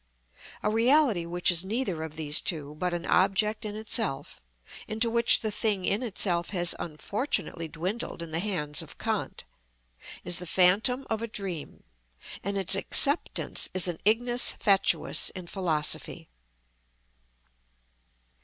A reality which is neither of these two, but an object in itself (into which the thing in itself has unfortunately dwindled in the hands of Kant), is the phantom of a dream, and its acceptance is an ignis fatuus in philosophy.